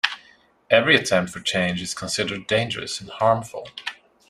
Every attempt for change is considered dangerous and harmful.